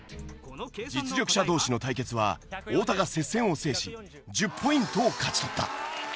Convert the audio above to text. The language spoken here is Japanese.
実力者同士の対決は太田が接戦を制し１０ポイントを勝ち取った。